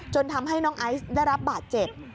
ทำให้น้องไอซ์ได้รับบาดเจ็บ